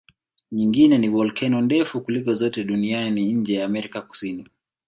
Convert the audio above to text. Nyingine ni volkeno ndefu kuliko zote duniani nje ya Amerika Kusini